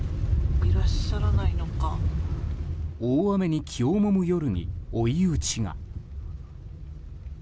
大雨に気をもむ夜に追い打ちが。